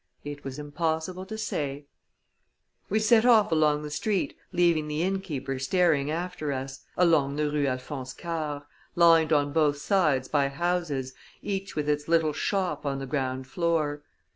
It was impossible to say. We set off along the street, leaving the inn keeper staring after us along the Rue Alphonse Karr, lined on both sides by houses, each with its little shop on the ground floor.